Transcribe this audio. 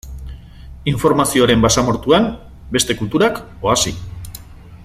Informazioaren basamortuan, beste kulturak oasi.